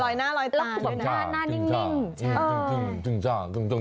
ลอยหน้าลอยตาด้วยนะคุณคุณลองตีตรงจังหวะได้มั้งตีฉาบติ้งนิ่ง